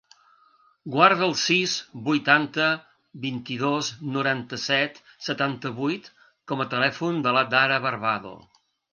Guarda el sis, vuitanta, vint-i-dos, noranta-set, setanta-vuit com a telèfon de l'Adhara Barbado.